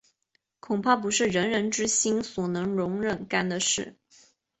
恐怕不是仁圣之人所能忍心干的事。